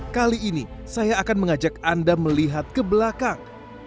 kali ini saya akan mengajak anda melihat ke belakang